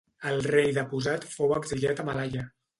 El rei deposat fou exiliat a Malaia.